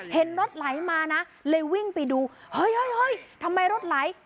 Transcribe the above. เห็นรถไหลมานะเลยวิ่งไปดูเฮ้ยทำไมรถไหล